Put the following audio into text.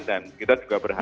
dan kita juga berharap